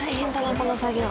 この作業。